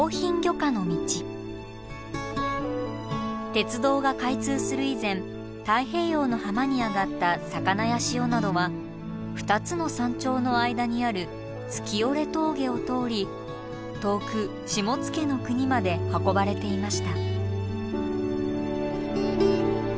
鉄道が開通する以前太平洋の浜に揚がった魚や塩などは２つの山頂の間にある月居峠を通り遠く下野国まで運ばれていました。